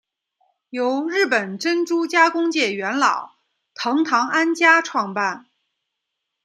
由日本珍珠加工界元老藤堂安家创办。